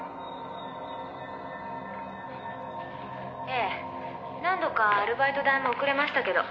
「ええ何度かアルバイト代も遅れましたけど」